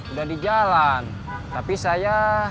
udah di jalan tapi saya